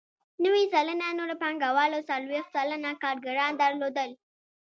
نوي سلنه نورو پانګوالو څلوېښت سلنه کارګران درلودل